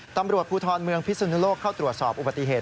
ตำรวจภูทรเมืองพิศนุโลกเข้าตรวจสอบอุบัติเหตุ